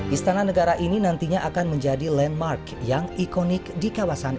istana negara ini nantinya akan menjadi landmark yang ikonik di kawasan ini